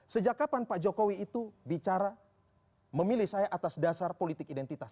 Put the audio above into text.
sejak kapan pak jokowi itu bicara memilih saya atas dasar politik identitas